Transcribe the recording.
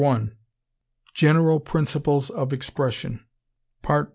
GENERAL PRINCIPLES OF EXPRESSION.